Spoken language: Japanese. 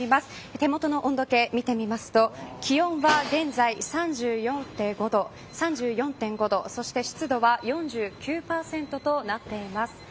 手元の温度計、見てみますと気温は現在３４．５度そして湿度は４９％となっています。